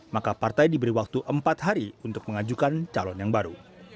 maka partai diberi waktu empat hari untuk mengajukan calon yang baru